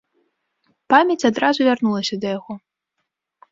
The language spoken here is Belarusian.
Памяць адразу вярнулася да яго.